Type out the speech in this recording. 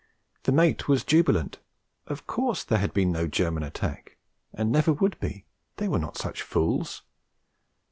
The mate was jubilant. Of course there had been no German attack; and never would be; they were not such fools!